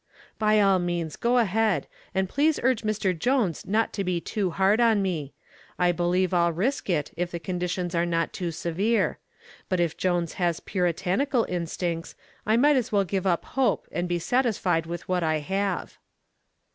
"By all means, go ahead, and please urge Mr. Jones not to be too hard on me. I believe I'll risk it if the restrictions are not too severe. But if Jones has puritanical instincts, I might as well give up hope and be satisfied with what I have."